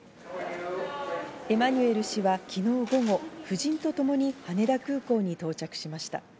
エマニュエル氏は昨日午後、夫人とともに羽田空港に到着しました。